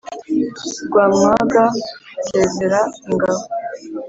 Rwamwaga nsezera ingabo.